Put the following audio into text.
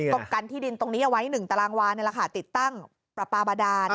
ตกกันที่ดินตรงนี้ไว้๑ตารางวาติดตั้งประปาบาดาน